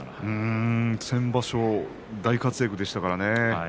先場所は大活躍でしたからね。